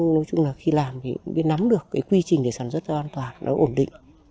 nói chung là khi làm thì cũng biết nắm được cái quy trình để sản xuất ra an toàn nó ổn định